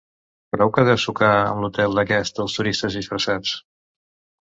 Prou que deu sucar amb l'hotel aquest dels turistes disfressats!